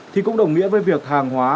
thì cũng đồng nghĩa với việc hàng hóa